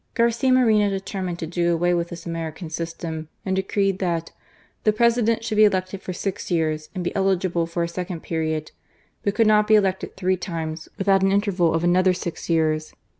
Garcia Moreno determined to do away wijth this American system, and decreed that '^ the President should be elected for six years ; and be eligible for a second period ; but could not be elected three times, without an interval of another six years.